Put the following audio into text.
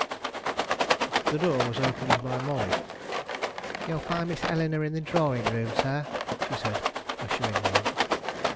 The door was opened by Molly. "You will find Miss Eleanore in the drawing room, sir," she said, ushering me in.